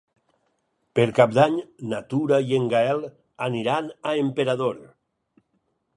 Per Cap d'Any na Tura i en Gaël aniran a Emperador.